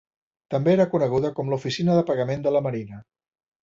També era coneguda com l'oficina de pagament de la Marina.